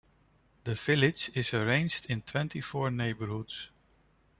The village is arranged in twenty four neighbourhoods.